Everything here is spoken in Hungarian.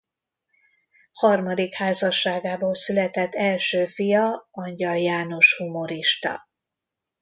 Harmadik házasságából született első fia Angyal János humorista.